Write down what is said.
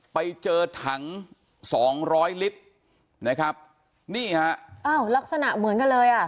ไปเจอถังสองร้อยลิตรนะครับนี่ฮะอ้าวลักษณะเหมือนกันเลยอ่ะ